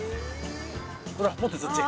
ほら持ってそっち。